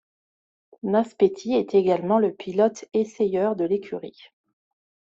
Naspetti est également le pilote essayeur de l'écurie.